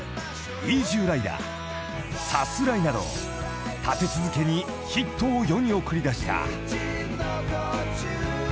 『イージュー★ライダー』『さすらい』など立て続けにヒットを世に送り出した］